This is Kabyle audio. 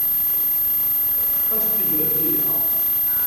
Ad t-tged akken yelha.